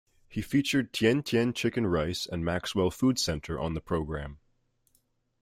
He featured Tian Tian Chicken Rice and Maxwell Food Centre on the programme.